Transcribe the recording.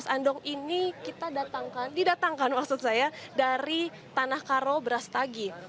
dua belas andong ini kita datangkan didatangkan maksud saya dari tanah karo brastagi